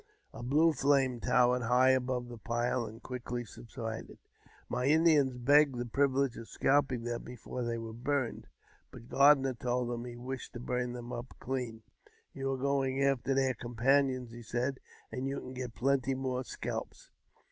A blue flame towered hij above the pile, and quickly subsided. My Indians begged thel privilege of scalping them before they were burned ; but Gardner j told them he wished to burn them up clean. " You are goin^ after their companions," he said, "and you can get plenty! more scalps."